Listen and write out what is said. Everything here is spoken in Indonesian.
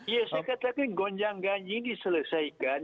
ya saya katakan gonjang ganjang ini diselesaikan